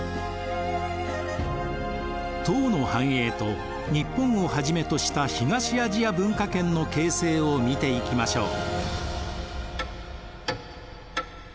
唐の繁栄と日本をはじめとした東アジア文化圏の形成を見ていきましょう。